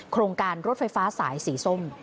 โครงการรถไฟฟ้าสายสีส้ม